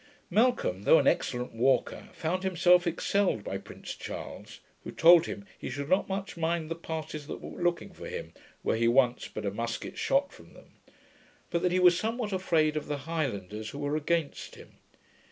Malcolm, though an excellent walker, found himself excelled by Prince Charles, who told him, he should not much mind the parties that were looking for him, were he once but a musquet shot from them; but that he was somewhat afraid of the highlanders who were against him.